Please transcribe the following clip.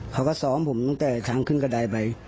เขาก็ซ้อมผมตั้งแต่ทางขึ้นกระดายไป